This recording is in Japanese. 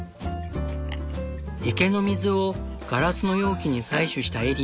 池の水をガラスの容器に採取したエリー。